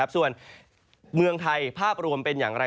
ส่วนเมืองไทยภาพรวมเป็นอย่างไร